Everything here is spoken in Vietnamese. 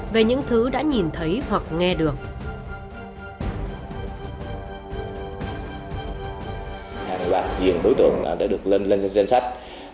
về những thứ đã nhìn thấy hoặc nghe được